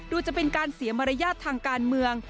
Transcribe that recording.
จะเป็นการเสียมารยาททางการเมือง